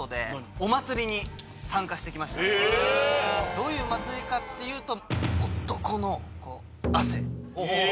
どういう祭りかっていうと。